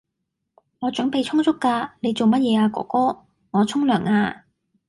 我準備充足㗎，你做乜嘢啊哥哥？我沖涼呀